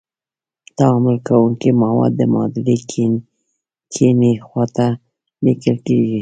تعامل کوونکي مواد د معادلې کیڼې خواته لیکل کیږي.